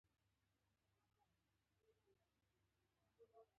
زه د لوبې نتیجه اورم.